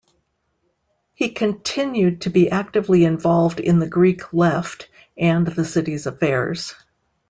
He continued to be actively involved in the Greek left and the city's affairs.